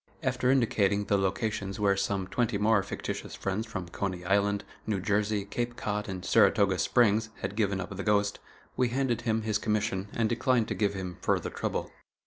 After indicating the locations where some twenty more fictitious friends from Coney Island, New Jersey, Cape Cod and Saratoga Springs, had given up the ghost, we handed him his commission and declined to give him further trouble.